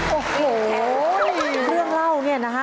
โอ้โหเรื่องเล่าเนี่ยนะฮะ